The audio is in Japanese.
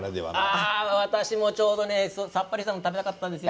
私もちょうどさっぱりしたもの食べたかったんですよ。